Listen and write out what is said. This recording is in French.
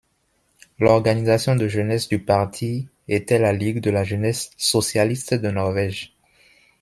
L'organisation de jeunesse du parti était la Ligue de la jeunesse socialiste de Norvège.